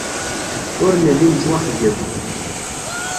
Ur nelli nettwaxeyyeb.